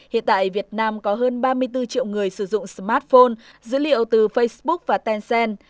hiện tại việt nam có hơn ba mươi bốn triệu người sử dụng smartphone dữ liệu từ facebook và tencent